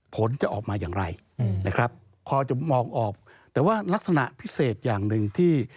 ผลจะออกมาอย่างไรนะครับคอจะมองออกแต่ว่ารักษณะพิเศษอย่างหนึ่งที่